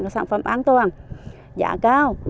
sản phẩm an toàn giá cao